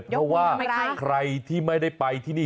ยกมือทำไมคะเพราะว่าใครที่ไม่ได้ไปที่นี่